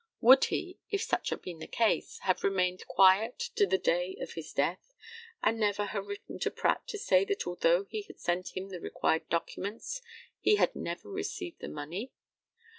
Would he, if such had been the case, have remained quiet to the day of his death, and never have written to Pratt to say that although he had sent him the required documents he had never received the money?